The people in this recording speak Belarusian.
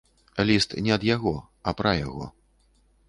Ліст не ад яго, а пра яго.